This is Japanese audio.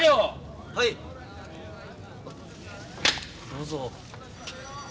どうぞ。